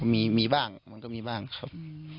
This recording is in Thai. มีบ้างมันก็มีบ้างครับ